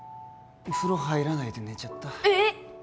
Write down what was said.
風呂入らないで寝ちゃったえっ？